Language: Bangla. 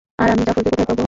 আর আমি জাফরকে কোথায় পাব?